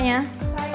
aku mau ke rumah